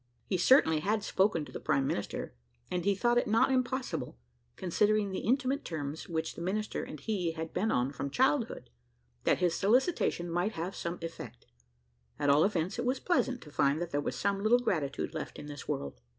He certainly had spoken to the Prime minister, and he thought it not impossible, considering the intimate terms which the minister and he had been on from childhood, that his solicitation might have had some effect; at all events, it was pleasant to find that there was some little gratitude left in this world.